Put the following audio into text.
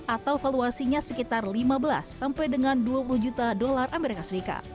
atau valuasinya sekitar lima belas sampai dengan dua puluh juta dolar as